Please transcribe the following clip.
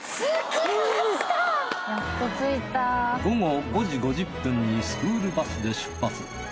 午後５時５０分にスクールバスで出発。